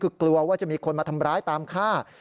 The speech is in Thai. คือกลัวว่าจะมีคนมาทำร้ายตามฆ่า